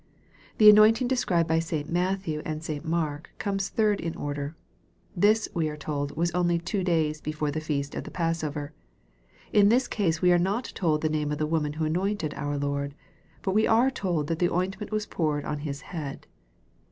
The anointing described by St. Matthew and St. Mark comes third in order. This, we are told, was only " two days" before the feast of the passover. In this case we are not told the name of the woman who anointed our Lord. But we are told that the ointment was poured on His " head."